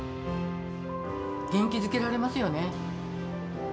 元気づけられますよね。